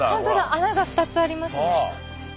穴が２つありますね。